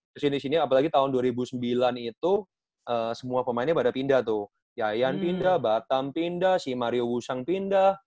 kesini sini apalagi tahun dua ribu sembilan itu semua pemainnya pada pindah tuh yayan pindah batam pindah sih mario wusang pindah